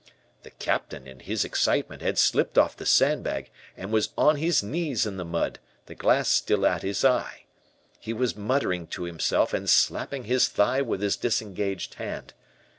"The Captain, in his excitement, had slipped off the sandbag, and was on his knees in the mud, the glass still at his eye. He was muttering to himself and slapping his thigh with his disengaged hand.